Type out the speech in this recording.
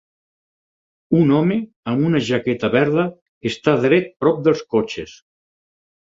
Un home amb una jaqueta verda està dret prop dels cotxes